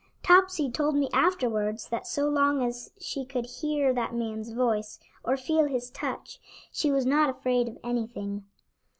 Topsy told me afterwards that so long as she could hear that man's voice or feel his touch, she was not afraid of anything.